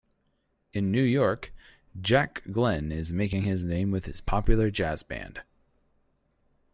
In New York, Jack Glenn is making his name with his popular jazz band.